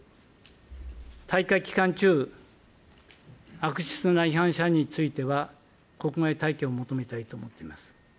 大会期間中、悪質な違反者については、国外退去を求めたいと思っています。